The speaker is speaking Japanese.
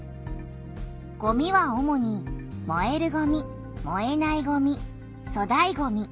ごみは主にもえるごみもえないごみそだいごみ